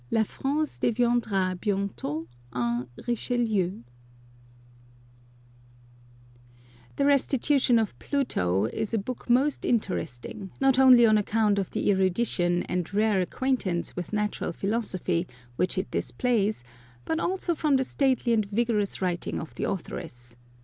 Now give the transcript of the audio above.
La France deviendra bient6t un Riche Lieu, The Restitution of Pluto is a book most inter esting, not only on account of the erudition and rare acquaintance with natural philosophy which it displays, but also from the stately and vigorous writing of the authoress.